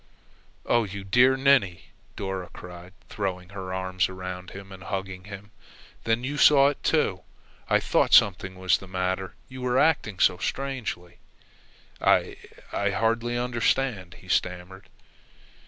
"Oh, you dear ninny!" Dora cried, throwing her arms around him and hugging him. "Then you saw it, too! I thought something was the matter, you were acting so strangely." "I I hardly understand," he stammered.